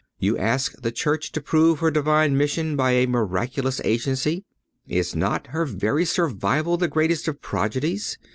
You ask the Church to prove her divine mission by a miraculous agency. Is not her very survival the greatest of prodigies?